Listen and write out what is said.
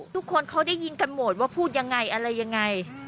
ทุกคนเขาได้ยินกันหมดว่าพูดยังไงอะไรยังไง